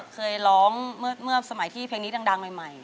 เคยร้องเมื่อสมัยที่เพลงนี้ดังใหม่